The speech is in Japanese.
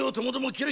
斬れ！